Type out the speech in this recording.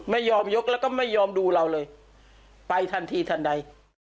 ไม่ยอมยกแล้วก็ไม่ยอมดูเราเลยไปทันทีทันใด